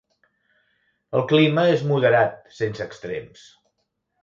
El clima és moderat, sense extrems.